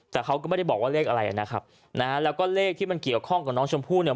แต่เขาก็ไม่ได้บอกว่าเลขอะไรนะครับนะฮะแล้วก็เลขที่มันเกี่ยวข้องกับน้องชมพู่เนี่ย